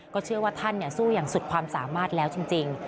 เชื่อว่าท่านสู้อย่างสุดความสามารถแล้วจริง